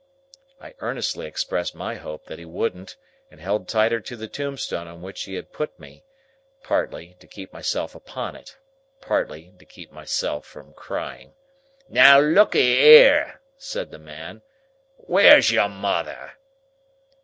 I earnestly expressed my hope that he wouldn't, and held tighter to the tombstone on which he had put me; partly, to keep myself upon it; partly, to keep myself from crying. "Now lookee here!" said the man. "Where's your mother?"